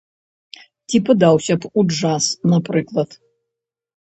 Ці падаўся б у джаз, напрыклад?